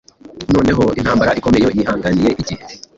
Noneho intambara ikomeye yihanganiye igihe